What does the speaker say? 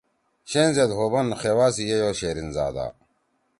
شین زید ہُوبن خیوا سی یِئی او شرین زادا